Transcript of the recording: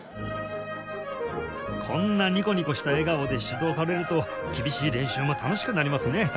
こんなニコニコした笑顔で指導されると厳しい練習も楽しくなりますね